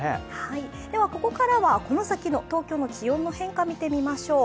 ここからはこの先の東京の気温の変化を見てみましょう。